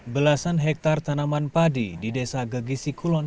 belasan hektare tanaman padi di desa gegisi kulon